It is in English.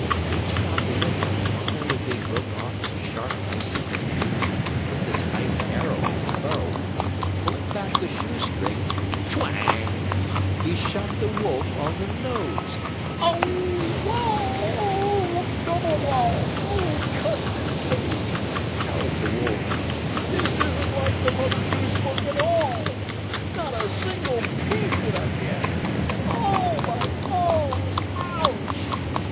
Reaching out the window Uncle Wiggily broke off a sharp icicle. He put this ice arrow in his bow and, pulling back the shoe string, "twang!" he shot the wolf on the nose. "Oh, wow! Oh, double wow! Oh, custard cake!" howled the wolf. "This isn't in the Mother Goose book at all. Not a single pig did I get! Oh, my nose! Ouch!"